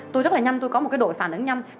tôi rất là nhanh tôi có một cái đội phản ứng nhanh